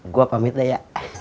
gue pamit deh ya